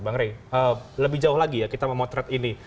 bang rey lebih jauh lagi ya kita memotret ini